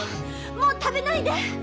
もう食べないで！